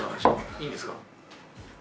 いいんですか？